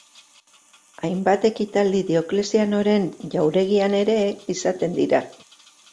Hainbat ekitaldi Dioklezianoren jauregian ere izaten dira.